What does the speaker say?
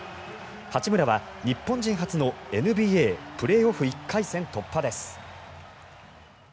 八村は日本人初のＮＢＡプレーオフ１回戦突破です。